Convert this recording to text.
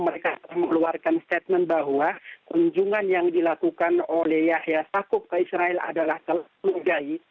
mereka mengeluarkan statement bahwa kunjungan yang dilakukan oleh yahya sakup ke israel adalah seluruh gai